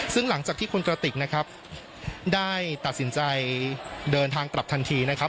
ซึ่งหลังจากที่คุณกระติกนะครับได้ตัดสินใจเดินทางกลับทันทีนะครับ